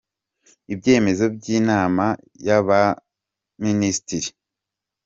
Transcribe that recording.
Ibyemezo by’Inama y’Abaminisitiri